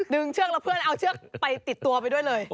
ดึงเชือกแล้วเพื่อนเอาที่ติดตัวไปเลย